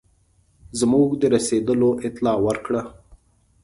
زموږ د رسېدلو اطلاع ورکړه.